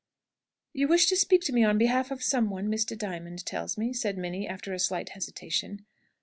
"You wish to speak to me on behalf of some one, Mr. Diamond tells me?" said Minnie, after a slight hesitation.